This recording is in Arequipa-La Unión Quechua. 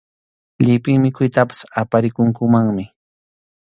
Llipin mikhuytapas aparikunkumanmi.